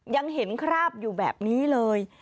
ยังเห็นคราบอยู่แบบนี้เลย